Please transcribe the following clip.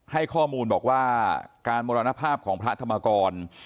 ให้ข้อมูลบอกว่าการมรณภาพของพระธรรมกร